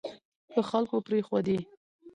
که خلکو پرېښودې